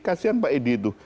kasian pak edi itu